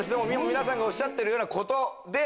皆さんがおっしゃってるようなことで。